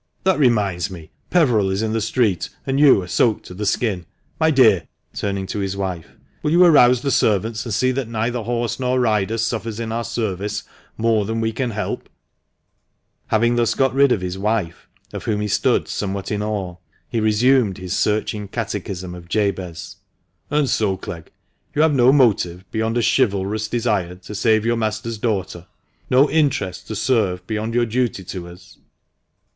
"That reminds me, Peveril is in the street, and you are soaked to the skin. My dear" — turning to his wife — "will you arouse the servants, and see that neither horse nor rider suffers in our service more than we can help ?" Having thus got rid of his wife, of whom he stood somewhat in awe, he resumed his searching catechism of Jabez. "And so, Clegg, you have no motive beyond a chivalrous desire to save your master's daughter, no interest to serve beyond your duty to us?"